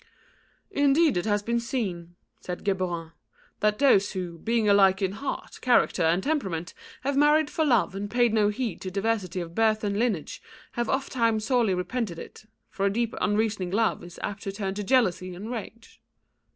"Indeed it has been seen," said Geburon, "that those who, being alike in heart, character and temperament, have married for love and paid no heed to diversity of birth and lineage, have ofttime sorely repented of it; for a deep unreasoning love is apt to turn to jealousy and rage."